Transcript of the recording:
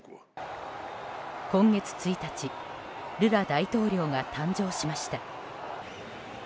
今月１日ルラ大統領が誕生しました。